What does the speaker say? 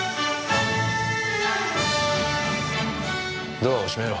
ドアを閉めろ。